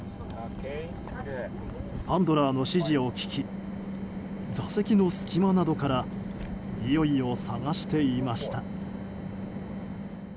ハンドラーの指示を聞き座席の隙間などからにおいを探していました。